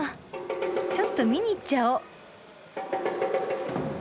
ちょっと見に行っちゃおう。